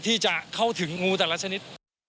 ที่จะเข้าถึงงูแต่ละชนิด